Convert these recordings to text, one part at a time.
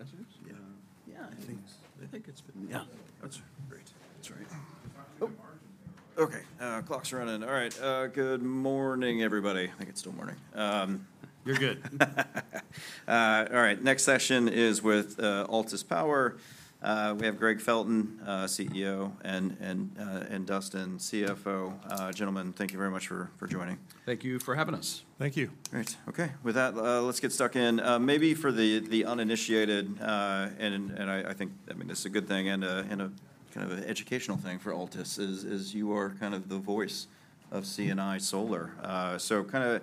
existing investors? Yeah. Yeah, I think it's been, yeah. That's great. That's right. Oh! Okay, clock's running. All right. Good morning, everybody. I think it's still morning. You're good. All right, next session is with Altus Power. We have Gregg Felton, CEO, and Dustin, CFO. Gentlemen, thank you very much for joining. Thank you for having us. Thank you. Great. Okay, with that, let's get stuck in. Maybe for the uninitiated, and I think, I mean, this is a good thing and a kind of an educational thing for Altus is you are kind of the voice of C&I solar. So kinda,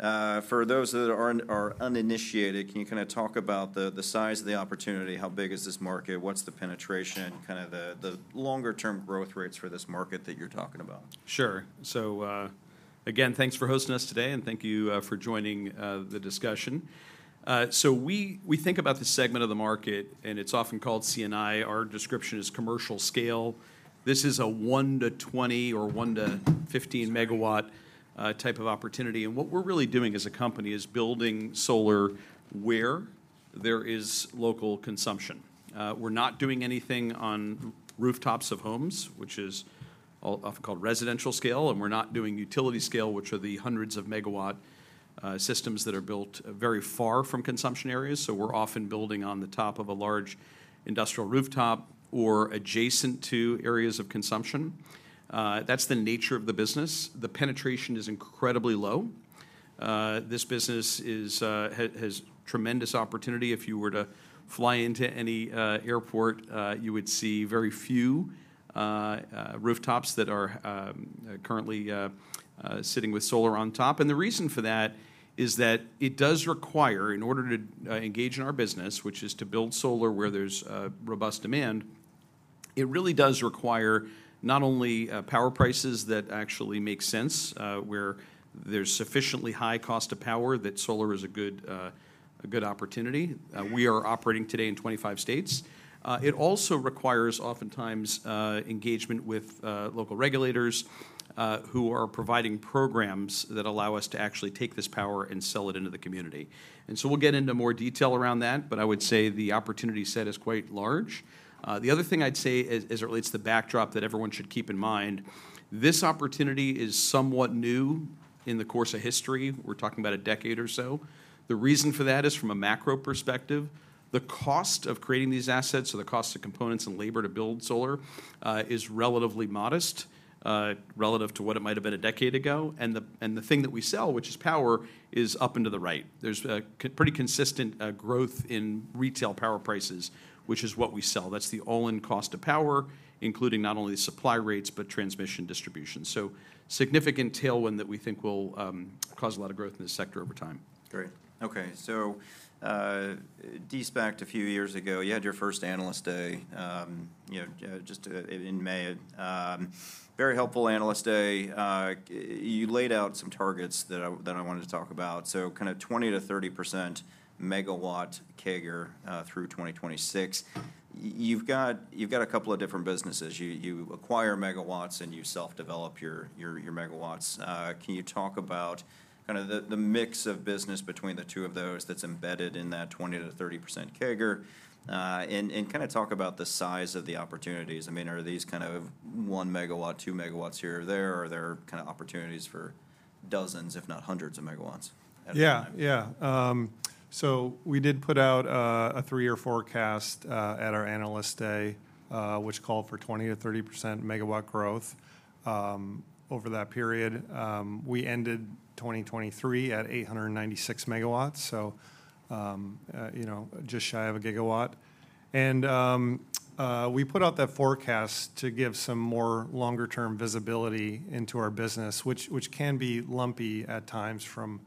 for those that are uninitiated, can you kinda talk about the size of the opportunity? How big is this market? What's the penetration, kind of the longer-term growth rates for this market that you're talking about? Sure. So, again, thanks for hosting us today, and thank you for joining the discussion. So we think about this segment of the market, and it's often called C&I. Our description is commercial scale. This is a 1-20 MW or 1-15 MW type of opportunity, and what we're really doing as a company is building solar where there is local consumption. We're not doing anything on rooftops of homes, which is often called residential scale, and we're not doing utility scale, which are the hundreds of megawatt systems that are built very far from consumption areas. So we're often building on the top of a large industrial rooftop or adjacent to areas of consumption. That's the nature of the business. The penetration is incredibly low. This business has tremendous opportunity. If you were to fly into any airport, you would see very few rooftops that are currently sitting with solar on top. And the reason for that is that it does require, in order to engage in our business, which is to build solar where there's robust demand, it really does require not only power prices that actually make sense, where there's sufficiently high cost of power that solar is a good a good opportunity. We are operating today in 25 states. It also requires, oftentimes, engagement with local regulators, who are providing programs that allow us to actually take this power and sell it into the community. And so we'll get into more detail around that, but I would say the opportunity set is quite large. The other thing I'd say as it relates to the backdrop that everyone should keep in mind, this opportunity is somewhat new in the course of history. We're talking about a decade or so. The reason for that is, from a macro perspective, the cost of creating these assets, so the cost of components and labor to build solar, is relatively modest, relative to what it might have been a decade ago. And the thing that we sell, which is power, is up and to the right. There's pretty consistent growth in retail power prices, which is what we sell. That's the all-in cost of power, including not only the supply rates, but transmission distribution. So significant tailwind that we think will cause a lot of growth in this sector over time. Great. Okay, so, De-SPAC, a few years ago, you had your first Analyst Day, you know, just in May. Very helpful Analyst Day. You laid out some targets that I wanted to talk about. So kinda 20%-30% megawatt CAGR through 2026. You've got a couple of different businesses. You acquire megawatts, and you self-develop your megawatts. Can you talk about kinda the mix of business between the two of those that's embedded in that 20%-30% CAGR? And kinda talk about the size of the opportunities. I mean, are these kind of one megawatt, two megawatts here or there, or are there kinda opportunities for dozens, if not hundreds, of megawatts at a time? Yeah, yeah. So we did put out a three-year forecast at our Analyst Day, which called for 20%-30% megawatt growth over that period. We ended 2023 at 896 MW, so you know, just shy of a gigawatt. And we put out that forecast to give some more longer-term visibility into our business, which can be lumpy at times from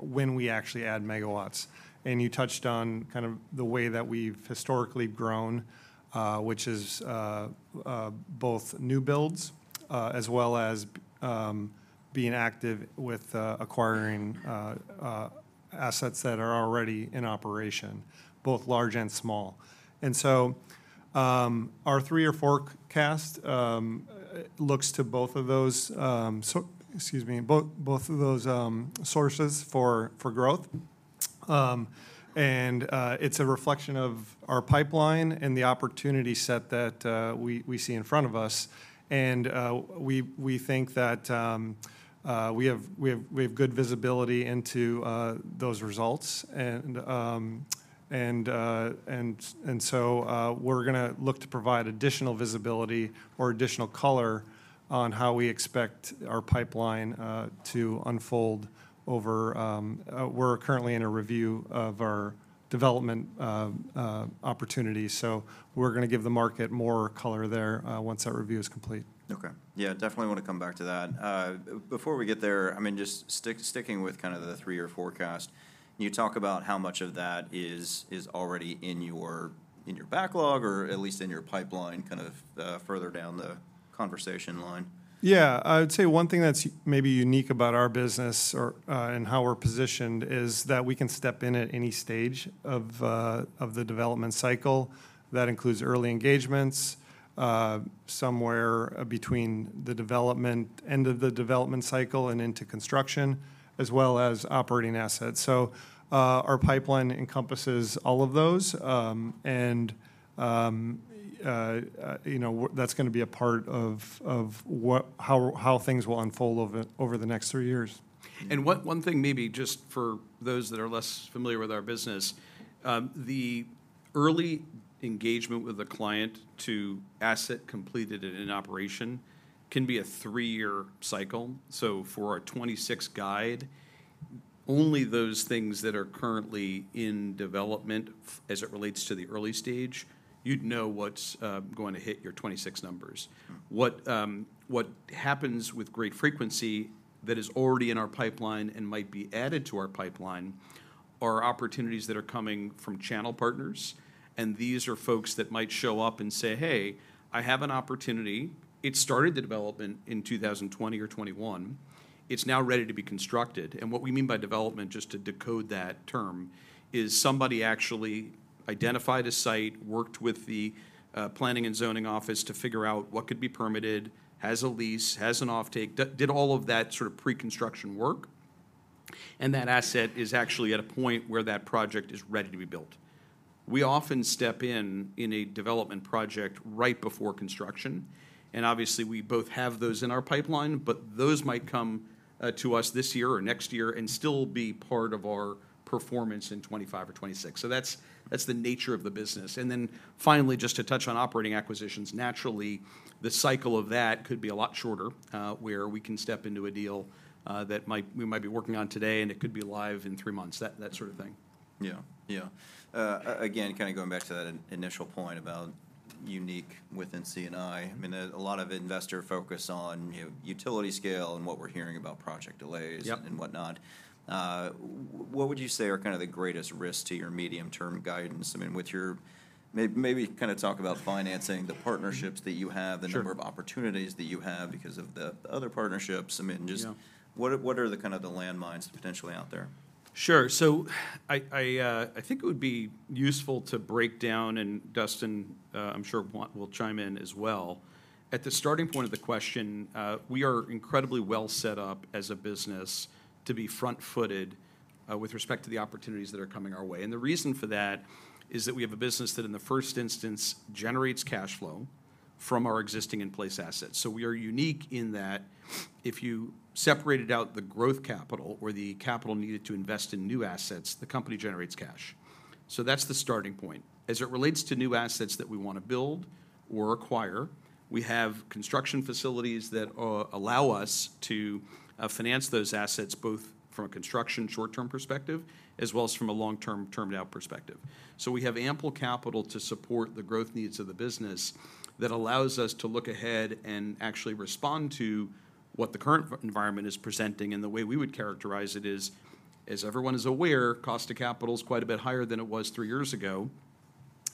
when we actually add megawatts. And you touched on kind of the way that we've historically grown, which is both new builds as well as being active with acquiring assets that are already in operation, both large and small. And so our three-year forecast looks to both of those, so. Excuse me, both of those sources for growth. And it's a reflection of our pipeline and the opportunity set that we see in front of us, and we think that we have good visibility into those results. And so we're gonna look to provide additional visibility or additional color on how we expect our pipeline to unfold over. We're currently in a review of our development opportunities, so we're gonna give the market more color there once that review is complete. Okay. Yeah, definitely want to come back to that. Before we get there, I mean, just sticking with kind of the three-year forecast, can you talk about how much of that is already in your backlog or at least in your pipeline, kind of further down the conversation line? Yeah, I would say one thing that's maybe unique about our business or and how we're positioned is that we can step in at any stage of the development cycle. That includes early engagements somewhere between the end of the development cycle and into construction, as well as operating assets. So our pipeline encompasses all of those. And you know that's gonna be a part of how things will unfold over the next three years. One thing maybe just for those that are less familiar with our business, the early engagement with a client to asset completed in an operation can be a three-year cycle. For our 2026 guide, only those things that are currently in development as it relates to the early stage, you'd know what's going to hit your 2026 numbers. What happens with great frequency that is already in our pipeline and might be added to our pipeline are opportunities that are coming from channel partners, and these are folks that might show up and say, "Hey, I have an opportunity. It started the development in 2020 or 2021. It's now ready to be constructed." And what we mean by development, just to decode that term, is somebody actually identified a site, worked with the planning and zoning office to figure out what could be permitted, has a lease, has an offtake. Did all of that sort of pre-construction work, and that asset is actually at a point where that project is ready to be built. We often step in in a development project right before construction, and obviously, we both have those in our pipeline, but those might come to us this year or next year and still be part of our performance in 2025 or 2026. So that's the nature of the business. And then finally, just to touch on operating acquisitions, naturally, the cycle of that could be a lot shorter, where we can step into a deal that we might be working on today, and it could be live in three months. That sort of thing. Yeah. Yeah. Again, kind of going back to that initial point about unique within C&I. I mean, a lot of investor focus on utility scale and what we're hearing about project delays- Yep and whatnot. What would you say are kind of the greatest risks to your medium-term guidance? I mean, with your. Maybe kind of talk about financing, the partnerships that you have- Sure .the number of opportunities that you have because of the other partnerships. I mean, just- Yeah what are the kind of the landmines potentially out there? Sure. So I think it would be useful to break down, and Dustin, I'm sure, will chime in as well. At the starting point of the question, we are incredibly well set up as a business to be front-footed, with respect to the opportunities that are coming our way. And the reason for that is that we have a business that, in the first instance, generates cash flow from our existing in-place assets. So we are unique in that if you separated out the growth capital or the capital needed to invest in new assets, the company generates cash. So that's the starting point. As it relates to new assets that we want to build or acquire, we have construction facilities that allow us to finance those assets, both from a construction short-term perspective as well as from a long-term, termed-out perspective. So we have ample capital to support the growth needs of the business. That allows us to look ahead and actually respond to what the current environment is presenting, and the way we would characterize it is, as everyone is aware, cost of capital is quite a bit higher than it was three years ago.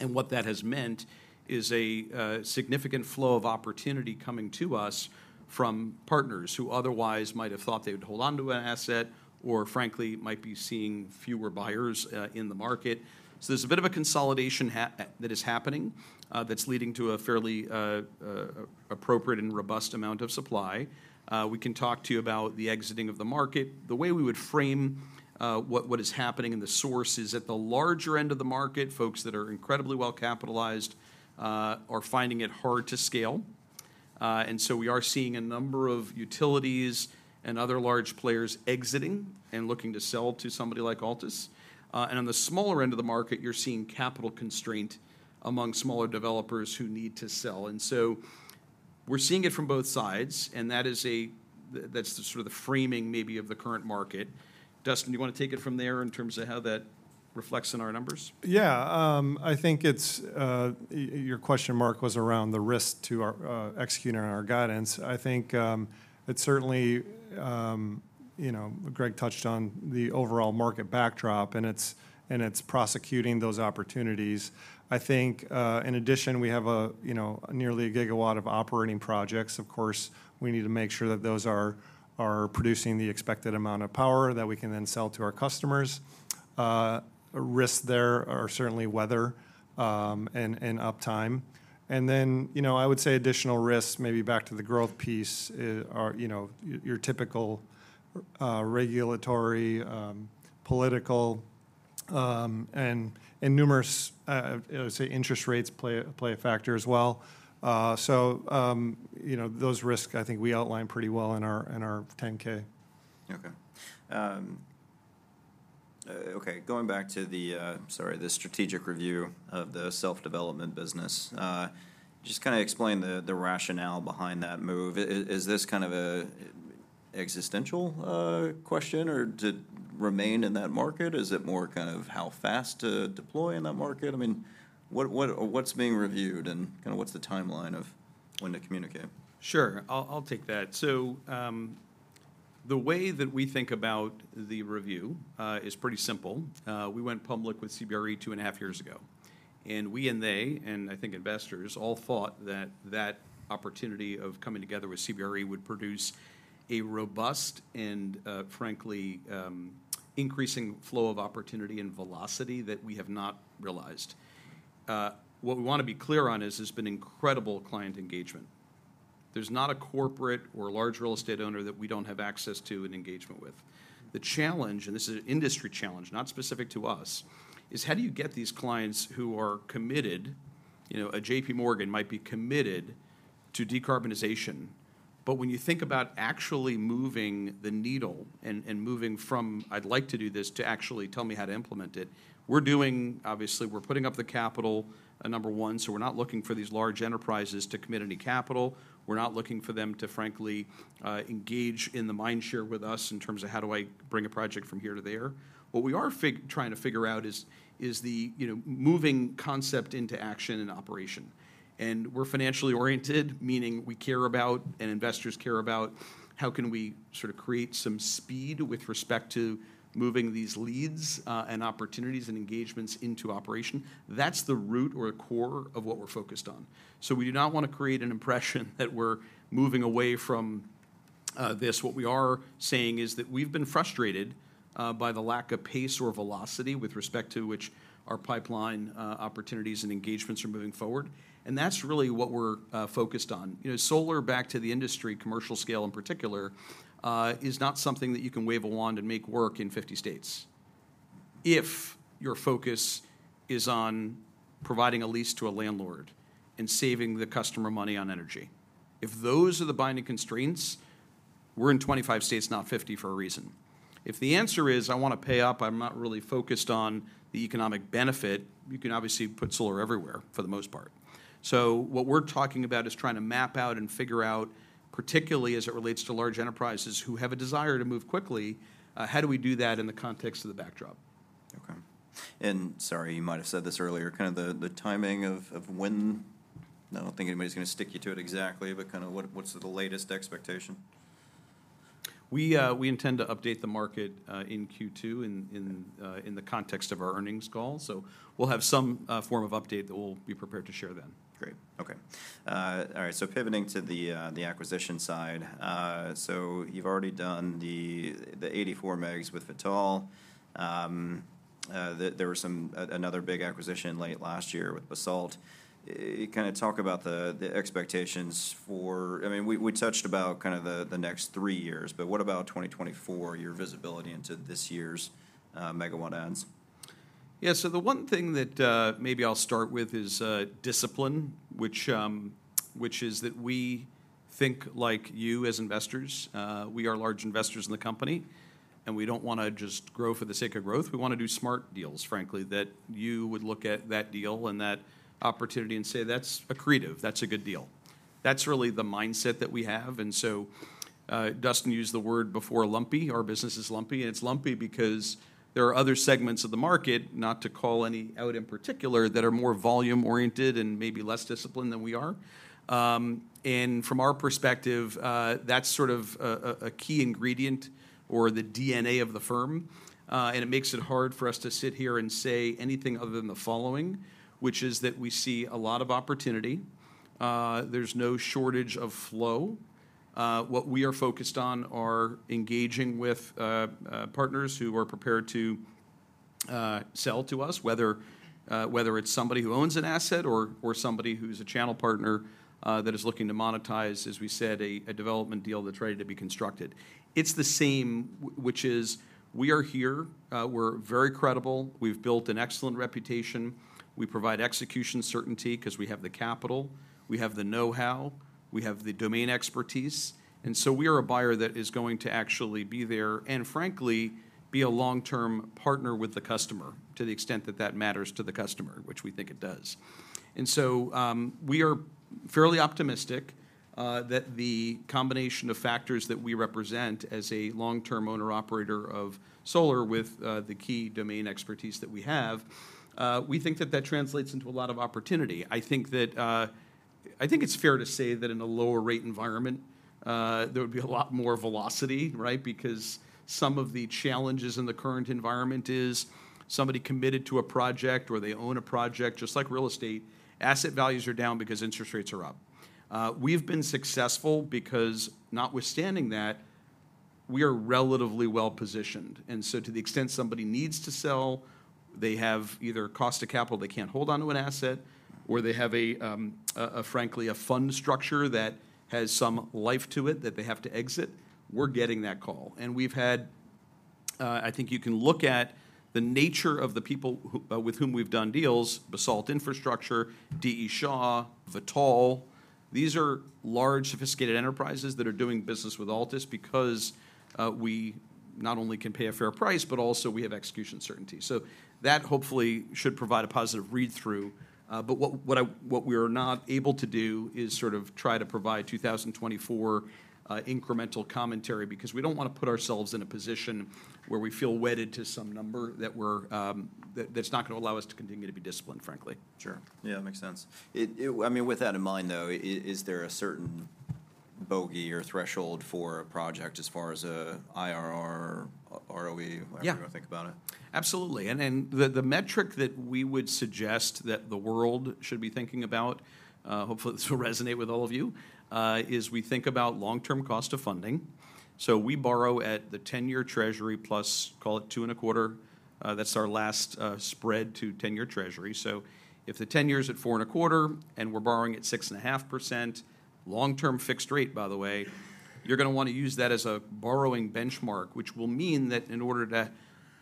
And what that has meant is a significant flow of opportunity coming to us from partners who otherwise might have thought they would hold on to an asset or frankly, might be seeing fewer buyers in the market. So there's a bit of a consolidation that is happening, that's leading to a fairly appropriate and robust amount of supply. We can talk to you about the exiting of the market. The way we would frame what is happening and the source is at the larger end of the market, folks that are incredibly well-capitalized are finding it hard to scale. And so we are seeing a number of utilities and other large players exiting and looking to sell to somebody like Altus. And on the smaller end of the market, you're seeing capital constraint among smaller developers who need to sell. And so we're seeing it from both sides, and that is, that's the sort of the framing maybe of the current market. Dustin, you want to take it from there in terms of how that reflects in our numbers? Yeah. I think it's. Your question mark was around the risk to our executing on our guidance. I think, it's certainly, you know, Gregg touched on the overall market backdrop, and it's, and it's prosecuting those opportunities. I think, in addition, we have a, you know, nearly a gigawatt of operating projects. Of course, we need to make sure that those are producing the expected amount of power that we can then sell to our customers. Risk there are certainly weather, and uptime. And then, you know, I would say additional risks, maybe back to the growth piece, are, you know, your typical, regulatory, political, and numerous, say, interest rates play a factor as well. So, you know, those risks, I think we outlined pretty well in our, in our 10-K. Okay, going back to the, sorry, the strategic review of the self-development business, just kinda explain the rationale behind that move. Is this kind of an existential question or to remain in that market? Is it more kind of how fast to deploy in that market? I mean, what, what's being reviewed and kind of what's the timeline of when to communicate? Sure, I'll, I'll take that. So, the way that we think about the review is pretty simple. We went public with CBRE two and a half years ago, and we and they, and I think investors, all thought that that opportunity of coming together with CBRE would produce a robust and, frankly, increasing flow of opportunity and velocity that we have not realized. What we want to be clear on is, there's been incredible client engagement. There's not a corporate or large real estate owner that we don't have access to and engagement with. The challenge, and this is an industry challenge, not specific to us, is how do you get these clients who are committed? You know, a J.P. Morgan might be committed to decarbonization, but when you think about actually moving the needle and moving from, "I'd like to do this," to actually, "Tell me how to implement it," we're doing. Obviously, we're putting up the capital, number one, so we're not looking for these large enterprises to commit any capital. We're not looking for them to, frankly, engage in the mind share with us in terms of: How do I bring a project from here to there? What we are trying to figure out is the, you know, moving concept into action and operation. And we're financially oriented, meaning we care about, and investors care about, how can we sort of create some speed with respect to moving these leads, and opportunities, and engagements into operation? That's the root or the core of what we're focused on. So we do not want to create an impression that we're moving away from, this. What we are saying is that we've been frustrated, by the lack of pace or velocity with respect to which our pipeline, opportunities and engagements are moving forward, and that's really what we're, focused on. You know, solar, back to the industry, commercial scale in particular, is not something that you can wave a wand and make work in 50 states if your focus is on providing a lease to a landlord and saving the customer money on energy. If those are the binding constraints, we're in 25 states, not 50, for a reason. If the answer is, "I want to pay up, I'm not really focused on the economic benefit," you can obviously put solar everywhere, for the most part. So what we're talking about is trying to map out and figure out, particularly as it relates to large enterprises who have a desire to move quickly, how do we do that in the context of the backdrop? Okay. Sorry, you might have said this earlier, kind of the timing of when. I don't think anybody's going to stick you to it exactly, but kind of what's the latest expectation? We intend to update the market in Q2 in the context of our earnings call, so we'll have some form of update that we'll be prepared to share then. Great. Okay. All right, so pivoting to the acquisition side. So you've already done the 84 megs with Vitol. There was another big acquisition late last year with Basalt. Kind of talk about the expectations for. I mean, we touched about kind of the next three years, but what about 2024, your visibility into this year's megawatt adds? Yeah, so the one thing that, maybe I'll start with is, discipline, which, which is that we think like you as investors. We are large investors in the company, and we don't want to just grow for the sake of growth. We want to do smart deals, frankly, that you would look at that deal and that opportunity and say, "That's accretive. That's a good deal." That's really the mindset that we have, and so, Dustin used the word before, lumpy. Our business is lumpy, and it's lumpy because there are other segments of the market, not to call any out in particular, that are more volume-oriented and maybe less disciplined than we are. And from our perspective, that's sort of a key ingredient or the DNA of the firm, and it makes it hard for us to sit here and say anything other than the following, which is that we see a lot of opportunity. There's no shortage of flow. What we are focused on are engaging with partners who are prepared to sell to us, whether, whether it's somebody who owns an asset or, or somebody who's a channel partner that is looking to monetize, as we said, a development deal that's ready to be constructed. It's the same, which is, we are here. We're very credible. We've built an excellent reputation. We provide execution certainty 'cause we have the capital, we have the know-how, we have the domain expertise, and so we are a buyer that is going to actually be there and, frankly, be a long-term partner with the customer, to the extent that that matters to the customer, which we think it does. And so, we are fairly optimistic that the combination of factors that we represent as a long-term owner-operator of solar with the key domain expertise that we have, we think that that translates into a lot of opportunity. I think it's fair to say that in a lower rate environment, there would be a lot more velocity, right? Because some of the challenges in the current environment is somebody committed to a project, or they own a project, just like real estate, asset values are down because interest rates are up. We've been successful because notwithstanding that, we are relatively well-positioned, and so to the extent somebody needs to sell, they have either cost of capital, they can't hold on to an asset, or they have a, frankly, a fund structure that has some life to it that they have to exit. We're getting that call, and we've had. I think you can look at the nature of the people with whom we've done deals, Basalt Infrastructure, D.E. Shaw, Vitol. These are large, sophisticated enterprises that are doing business with Altus because we not only can pay a fair price, but also we have execution certainty. That hopefully should provide a positive read-through, but what we are not able to do is sort of try to provide 2024 incremental commentary because we don't want to put ourselves in a position where we feel wedded to some number that's not gonna allow us to continue to be disciplined, frankly. Sure. Yeah, makes sense. I mean, with that in mind, though, is there a certain bogey or threshold for a project as far as IRR, or ROE? Yeah however you wanna think about it. Absolutely. The metric that we would suggest that the world should be thinking about, hopefully this will resonate with all of you, is we think about long-term cost of funding. So we borrow at the ten-year Treasury plus, call it 2.25%. That's our last spread to ten-year Treasury. So if the ten-year's at 4.25%, and we're borrowing at 6.5%, long-term fixed rate, by the way, you're gonna wanna use that as a borrowing benchmark. Which will mean that in order to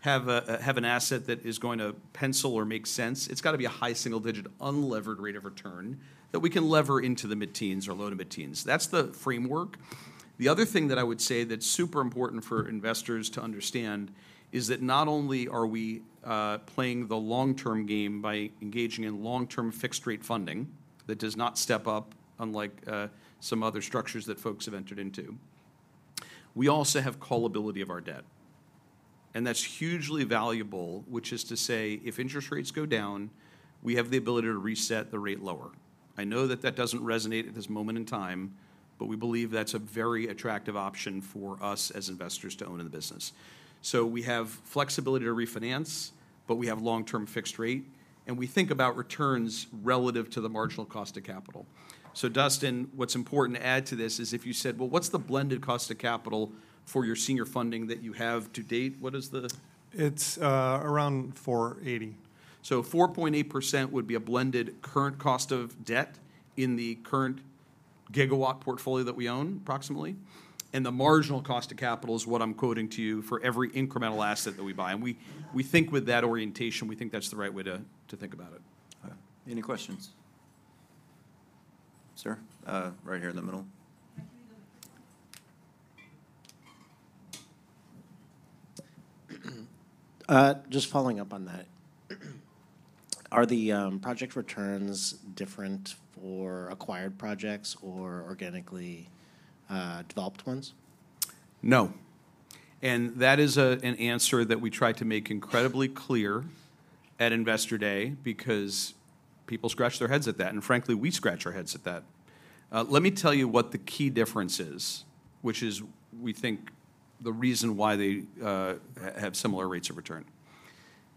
have an asset that is going to pencil or make sense, it's gotta be a high single-digit unlevered rate of return, that we can lever into the mid-teens or low to mid-teens. That's the framework. The other thing that I would say that's super important for investors to understand, is that not only are we playing the long-term game by engaging in long-term fixed-rate funding that does not step up, unlike some other structures that folks have entered into, we also have callability of our debt. And that's hugely valuable, which is to say, if interest rates go down, we have the ability to reset the rate lower. I know that that doesn't resonate at this moment in time, but we believe that's a very attractive option for us as investors to own in the business. So we have flexibility to refinance, but we have long-term fixed rate, and we think about returns relative to the marginal cost of capital. So Dustin, what's important to add to this is, if you said: "Well, what's the blended cost of capital for your senior funding that you have to date?" What is the- It's around 4.80% 4.8% would be a blended current cost of debt in the current gigawatt portfolio that we own, approximately. The marginal cost of capital is what I'm quoting to you for every incremental asset that we buy. We think with that orientation, we think that's the right way to think about it. Okay. Any questions? Sir, right here in the middle. Just following up on that, are the project returns different for acquired projects or organically developed ones? No. And that is an answer that we tried to make incredibly clear at Investor Day, because people scratch their heads at that, and frankly, we scratch our heads at that. Let me tell you what the key difference is, which is, we think, the reason why they have similar rates of return.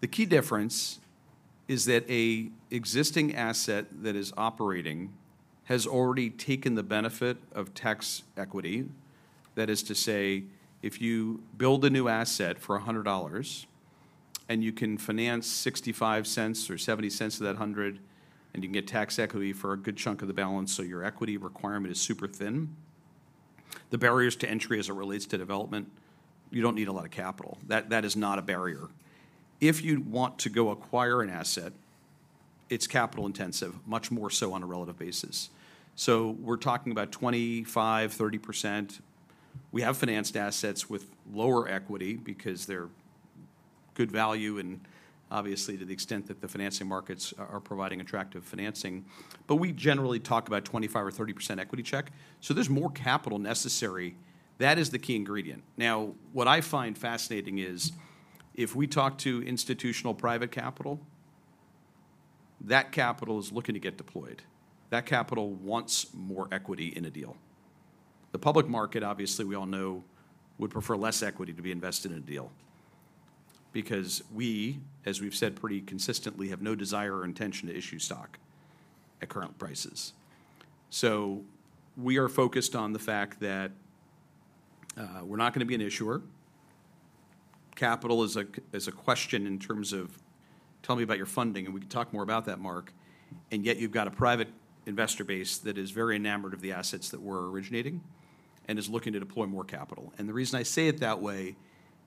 The key difference is that an existing asset that is operating has already taken the benefit of tax equity. That is to say, if you build a new asset for $100, and you can finance $0.65 or $0.70 of that 100, and you can get tax equity for a good chunk of the balance, so your equity requirement is super thin, the barriers to entry as it relates to development, you don't need a lot of capital. That is not a barrier. If you'd want to go acquire an asset, it's capital intensive, much more so on a relative basis. So we're talking about 25%-30%. We have financed assets with lower equity because they're good value, and obviously, to the extent that the financing markets are, are providing attractive financing. But we generally talk about 25% or 30% equity check, so there's more capital necessary. That is the key ingredient. Now, what I find fascinating is, if we talk to institutional private capital, that capital is looking to get deployed. That capital wants more equity in a deal. The public market, obviously, we all know, would prefer less equity to be invested in a deal because we, as we've said pretty consistently, have no desire or intention to issue stock at current prices. So we are focused on the fact that, we're not gonna be an issuer. Capital is a question in terms of: Tell me about your funding, and we can talk more about that, Mark. And yet you've got a private investor base that is very enamored of the assets that we're originating and is looking to deploy more capital. And the reason I say it that way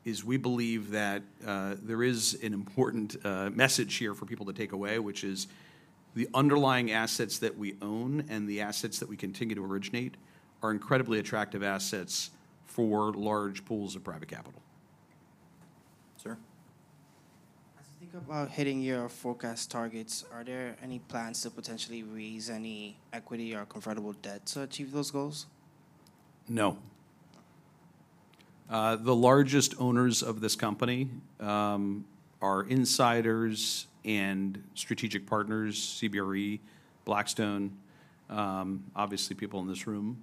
is, we believe that there is an important message here for people to take away, which is the underlying assets that we own and the assets that we continue to originate are incredibly attractive assets for large pools of private capital. Sir? As you think about hitting your forecast targets, are there any plans to potentially raise any equity or convertible debt to achieve those goals? No. The largest owners of this company are insiders and strategic partners, CBRE, Blackstone, obviously, people in this room.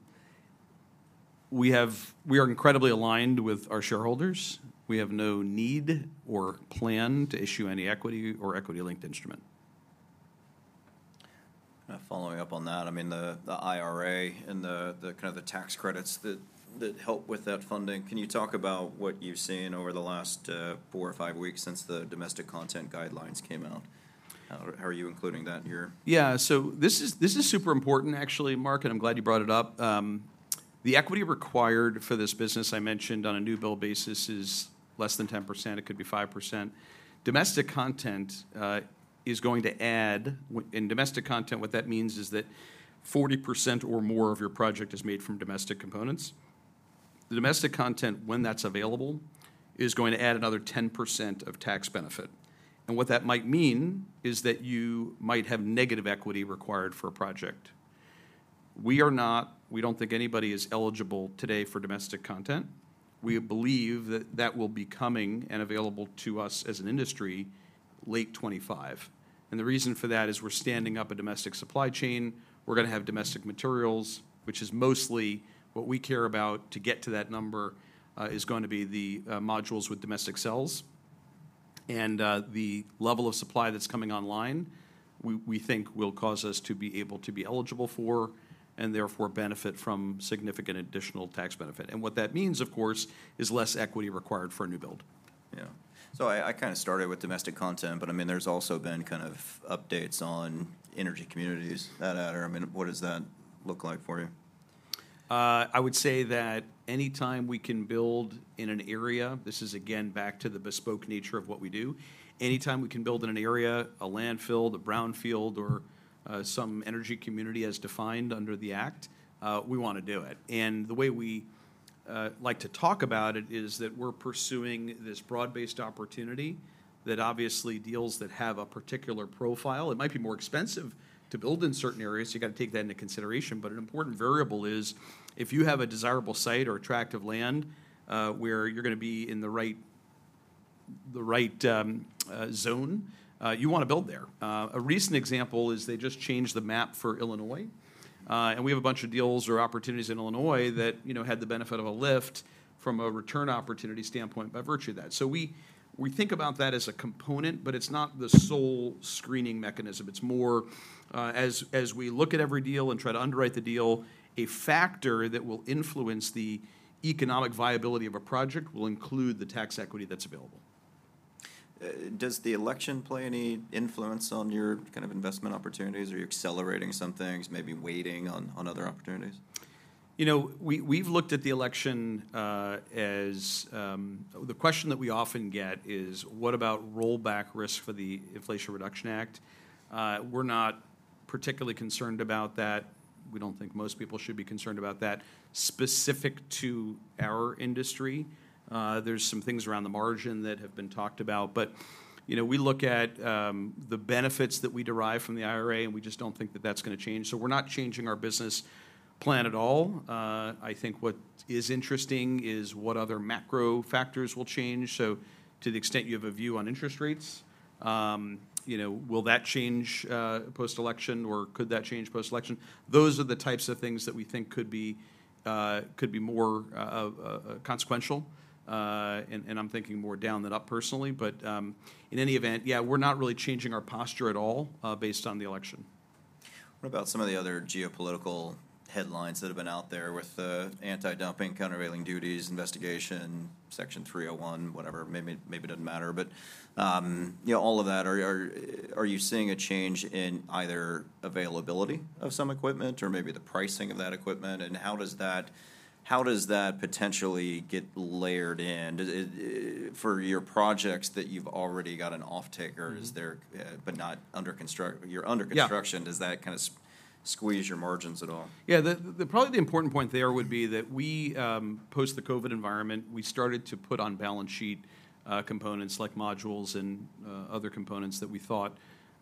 We are incredibly aligned with our shareholders. We have no need or plan to issue any equity or equity-linked instrument. Following up on that, I mean, the IRA and the kind of tax credits that help with that funding, can you talk about what you've seen over the last four or five weeks since the domestic content guidelines came out? How are you including that in your- Yeah, so this is, this is super important, actually, Mark, and I'm glad you brought it up. The equity required for this business, I mentioned, on a new build basis, is less than 10%, it could be 5%. Domestic content is going to add and domestic content, what that means is that 40% or more of your project is made from domestic components. The domestic content, when that's available, is going to add another 10% of tax benefit, and what that might mean is that you might have negative equity required for a project. We are not. We don't think anybody is eligible today for domestic content. We believe that that will be coming and available to us as an industry late 2025. And the reason for that is we're standing up a domestic supply chain. We're gonna have domestic materials, which is mostly what we care about to get to that number, is going to be the, modules with domestic cells. And, the level of supply that's coming online, we think will cause us to be able to be eligible for, and therefore benefit from, significant additional tax benefit. And what that means, of course, is less equity required for a new build. Yeah. So I kind of started with Domestic Content, but I mean, there's also been kind of updates on energy communities that matter. I mean, what does that look like for you? I would say that anytime we can build in an area. This is, again, back to the bespoke nature of what we do. Anytime we can build in an area, a landfill, a brownfield, or some energy community as defined under the act, we want to do it. And the way we like to talk about it is that we're pursuing this broad-based opportunity that obviously deals that have a particular profile. It might be more expensive to build in certain areas, so you've got to take that into consideration. But an important variable is, if you have a desirable site or attractive land, where you're gonna be in the right zone, you want to build there. A recent example is they just changed the map for Illinois, and we have a bunch of deals or opportunities in Illinois that, you know, had the benefit of a lift from a return opportunity standpoint by virtue of that. So we, we think about that as a component, but it's not the sole screening mechanism. It's more, as, as we look at every deal and try to underwrite the deal, a factor that will influence the economic viability of a project will include the tax equity that's available. Does the election play any influence on your kind of investment opportunities? Are you accelerating some things, maybe waiting on other opportunities? You know, we've looked at the election as. The question that we often get is: What about rollback risk for the Inflation Reduction Act? We're not particularly concerned about that. We don't think most people should be concerned about that. Specific to our industry, there's some things around the margin that have been talked about. But, you know, we look at the benefits that we derive from the IRA, and we just don't think that that's gonna change, so we're not changing our business plan at all. I think what is interesting is what other macro factors will change. So to the extent you have a view on interest rates, you know, will that change post-election, or could that change post-election? Those are the types of things that we think could be more consequential. I'm thinking more down than up personally. But, in any event, yeah, we're not really changing our posture at all, based on the election. What about some of the other geopolitical headlines that have been out there with the anti-dumping, countervailing duties, investigation, Section 301, whatever, maybe it doesn't matter. But, you know, all of that, are you seeing a change in either availability of some equipment or maybe the pricing of that equipment, and how does that potentially get layered in? Does it. For your projects that you've already got an off-taker- Mm-hmm. You're under construction. Yeah. Does that kind of squeeze your margins at all? Yeah, probably the important point there would be that we, post the COVID environment, we started to put on balance sheet, components like modules and, other components that we thought,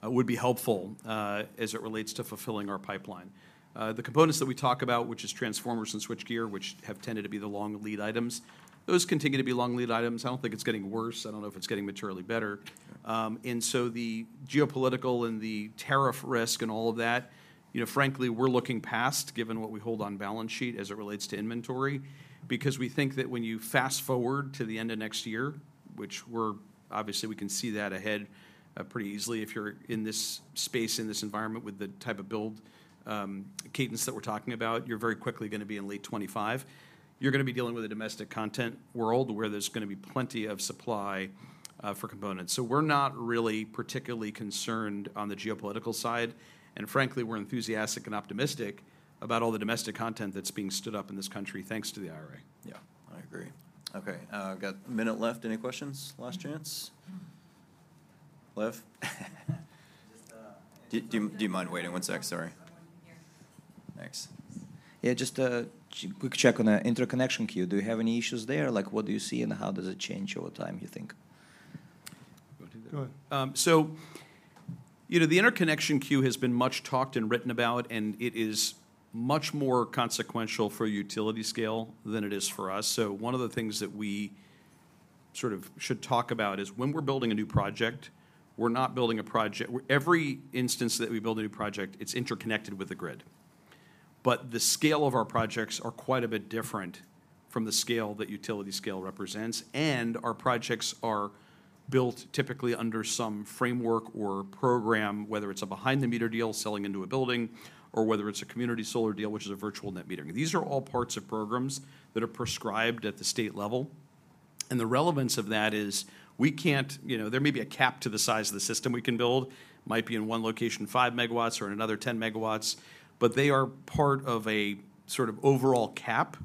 would be helpful, as it relates to fulfilling our pipeline. The components that we talk about, which is transformers and switchgear, which have tended to be the long lead items, those continue to be long lead items. I don't think it's getting worse. I don't know if it's getting materially better. And so the geopolitical and the tariff risk and all of that, you know, frankly, we're looking past, given what we hold on balance sheet as it relates to inventory, because we think that when you fast-forward to the end of next year, which we're obviously, we can see that ahead pretty easily if you're in this space, in this environment, with the type of build cadence that we're talking about, you're very quickly gonna be in late 2025. You're gonna be dealing with a domestic content world, where there's gonna be plenty of supply for components. So we're not really particularly concerned on the geopolitical side, and frankly, we're enthusiastic and optimistic about all the domestic content that's being stood up in this country, thanks to the IRA. Yeah, I agree. Okay, we've got a minute left. Any questions? Last chance. Lev? Just, uh- Do you mind waiting one sec? Sorry. Someone in here. Thanks. Yeah, just a quick check on the interconnection queue. Do you have any issues there? Like, what do you see, and how does it change over time, you think? Want to do that? Go ahead. So, you know, the interconnection queue has been much talked and written about, and it is much more consequential for utility scale than it is for us. So one of the things that we sort of should talk about is, when we're building a new project, we're not building a project—every instance that we build a new project, it's interconnected with the grid. But the scale of our projects are quite a bit different from the scale that utility scale represents, and our projects are built typically under some framework or program, whether it's a behind-the-meter deal, selling into a building, or whether it's a community solar deal, which is a virtual net metering. These are all parts of programs that are prescribed at the state level, and the relevance of that is we can't. You know, there may be a cap to the size of the system we can build. Might be in one location, 5 MW or in another, 10 MW, but they are part of a sort of overall cap.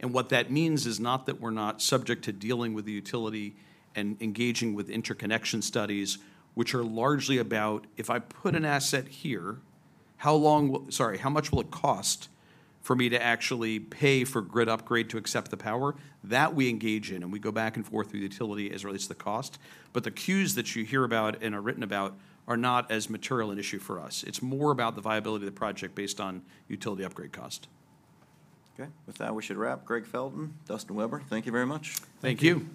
And what that means is not that we're not subject to dealing with the utility and engaging with interconnection studies, which are largely about: If I put an asset here, how much will it cost for me to actually pay for grid upgrade to accept the power? That, we engage in, and we go back and forth with the utility as it relates to the cost. But the queues that you hear about and are written about are not as material an issue for us. It's more about the viability of the project based on utility upgrade cost. Okay, with that, we should wrap. Gregg Felton, Dustin Weber, thank you very much. Thank you.